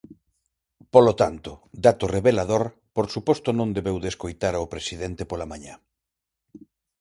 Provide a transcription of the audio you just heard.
Polo tanto, dato revelador, por suposto non debeu de escoitar ao presidente pola mañá.